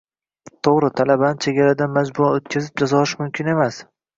To'g'ri, talabani chegaradan majburan o'tkazib, jazolash mumkin emas